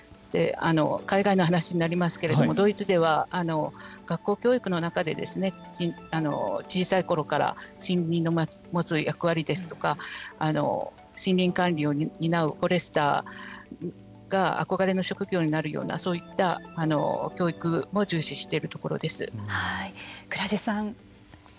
海外の話になりますけれどもドイツでは学校教育の中で小さいころから森林の持つ役割ですとか森林管理を担うフォレスターが憧れの職業になるようなそういった蔵治さん。